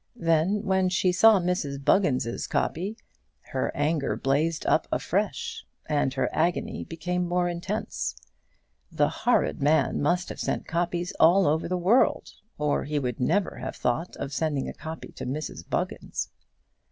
Then, when she saw Mrs Buggins's copy, her anger blazed up afresh, and her agony became more intense. The horrid man must have sent copies all over the world, or he would never have thought of sending a copy to Mrs Buggins!